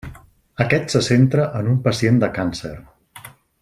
Aquest se centra en un pacient de càncer.